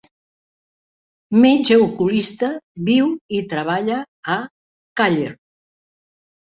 Metge oculista, viu i treballa a Càller.